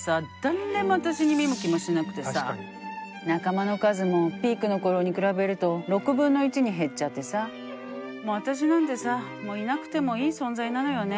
仲間の数もピークの頃に比べると６分の１に減っちゃってさもうあたしなんてさもういなくてもいい存在なのよね。